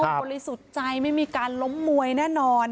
ก็เลยสุดใจไม่มีการล้มมวยแน่นอน